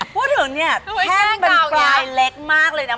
พูดถึงเนี่ยแท่งเป็นปลายเล็กมากเลยนะ